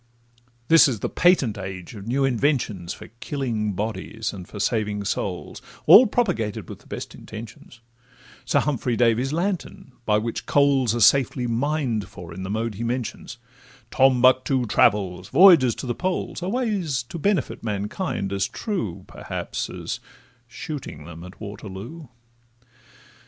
This is the patent age of new inventions For killing bodies, and for saving souls, All propagated with the best intentions; Sir Humphry Davy's lantern, by which coals Are safely mined for in the mode he mentions, Tombuctoo travels, voyages to the Poles, Are ways to benefit mankind, as true, Perhaps, as shooting them at Waterloo.